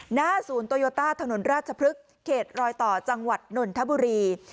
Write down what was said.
หน้าศูนย์โตโยต้าถนนราชพฤกษ์เขตรอยต่อจังหวัดนนทบุรี